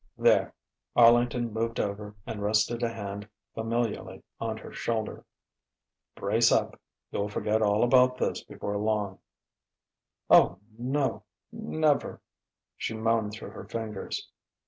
"There!" Arlington moved over and rested a hand familiarly on her shoulder. "Brace up. You'll forget all about this before long." "O no never!" she moaned through her fingers.